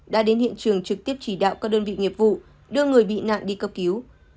đã đến hiện trường trực tiếp chỉ đạo các đơn vị nghiệp vụ đưa người bị nạn đi cấp cứu